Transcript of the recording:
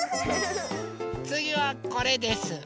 つぎはこれです。